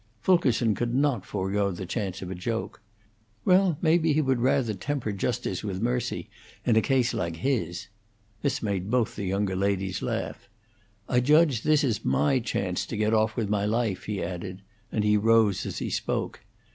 Fulkerson could not forego the chance of a joke. "Well, maybe he would rather temper justice with mercy in a case like his." This made both the younger ladies laugh. "I judge this is my chance to get off with my life," he added, and he rose as he spoke.